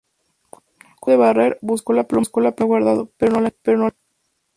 Cuando terminó de barrer, buscó la pluma que había guardado, pero no la encontró.